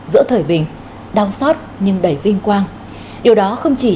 sự hy sinh và tình đoàn kết trong xã hội